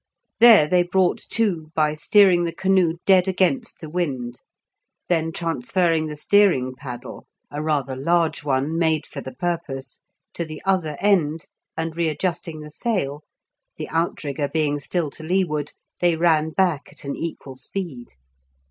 There they brought to by steering the canoe dead against the wind; then transferring the steering paddle (a rather large one, made for the purpose) to the other end, and readjusting the sail, the outrigger being still to leeward, they ran back at an equal speed.